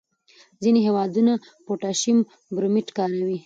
ځینې هېوادونه پوټاشیم برومیټ کاروي.